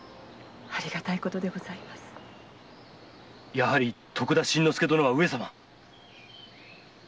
やはり徳田新之助殿は上様！